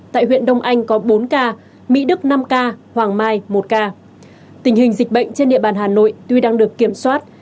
tại huyện đông anh có bốn ca mỹ đức năm ca hoàng mai một ca tình hình dịch bệnh trên địa bàn hà nội tuy đang được kiểm soát